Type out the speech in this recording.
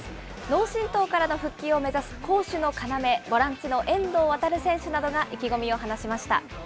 脳震とうからの復帰を目指す攻守の要、ボランチの遠藤航選手などが意気込みを話しました。